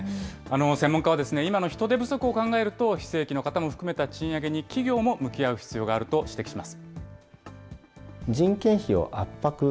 専門家は、今の人手不足を考えると、非正規の方も含めた賃上げに企業も向き合う必要があると指摘します。